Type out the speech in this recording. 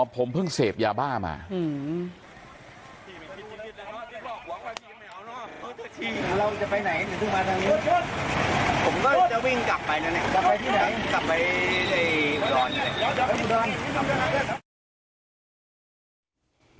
อ๋อผมเพิ่งเสพยาบ้ามาหือ